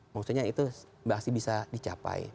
maksudnya itu masih bisa dicapai